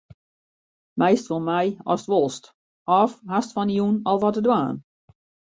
Meist wol mei ast wolst of hast fan 'e jûn al wat te dwaan?